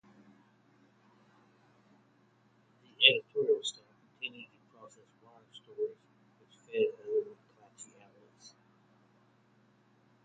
The editorial staff continued to process wire stories, which fed other McClatchy outlets.